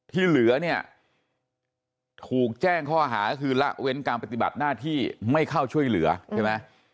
ที่เหลือเนี่ยถูกแจ้งข้อหาก็คือละเว้นการปฏิบัติหน้าที่ไม่เข้าช่วยเหลือใช่ไหม